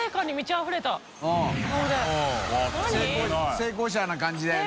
成功者な感じだよね。